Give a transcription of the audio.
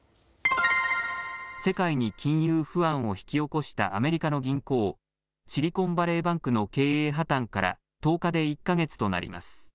世界に金融不安を引き起こしたアメリカの銀行、シリコンバレーバンクの経営破綻から１０日で１か月となります。